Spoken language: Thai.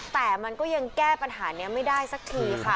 แต่มันก็ยังแก้ปัญหานี้ไม่ได้สักทีค่ะ